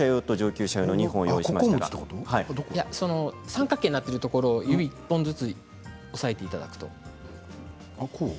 三角形になっているところを指１本ずつ持っていただくと。